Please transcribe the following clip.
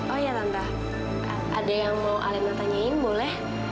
oh iya tante ada yang mau alena tanyain boleh